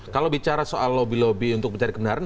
kalau bicara soal lobby lobby untuk mencari kebenaran